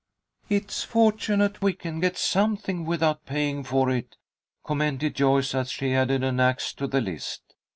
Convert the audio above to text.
"It's fortunate we can get something without paying for it," commented Joyce, as she added an axe to the list.